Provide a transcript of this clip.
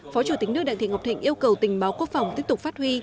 phó chủ tịch nước đặng thị ngọc thịnh yêu cầu tình báo quốc phòng tiếp tục phát huy